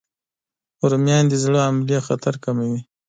رومیان د زړه حملې خطر کموي